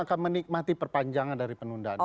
akan menikmati perpanjangan dari penundaan ini